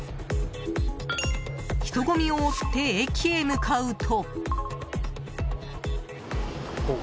人混みを追って駅へ向かうと。